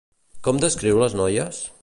Com descriu les noies?